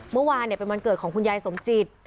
เมื่อวานเป็นวันเกิดของคุณยายสมจิต